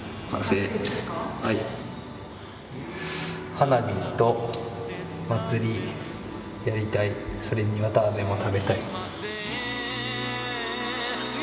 「花火と祭りやりたいそれに綿あめも食べたい」。